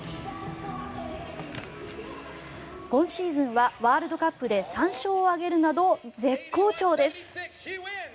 今シーズンはワールドカップで３勝を挙げるなど絶好調です。